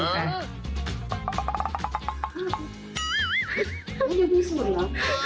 ยาวที่สุดหรอ